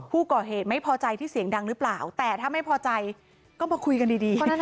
ผู้ก่อเหตุไม่พอใจที่เสียงดังหรือเปล่าแต่ถ้าไม่พอใจก็มาคุยกันดี